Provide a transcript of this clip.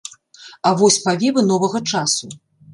А вось павевы новага часу.